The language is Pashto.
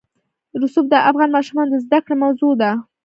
رسوب د افغان ماشومانو د زده کړې موضوع ده.